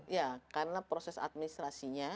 ya karena proses administrasinya